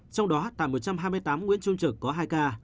trong đó tại một trăm hai mươi tám nguyễn trung trực có hai ca